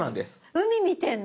海見てんの私？